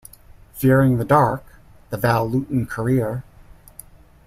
"Fearing the Dark: The Val Lewton Career".